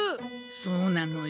そうなのよ。